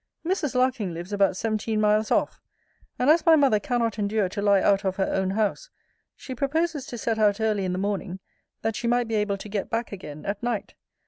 Mrs. Larking lives about seventeen miles off; and as my mother cannot endure to lie out of her own house, she proposes to set out early in the morning, that she might be able to get back again at night.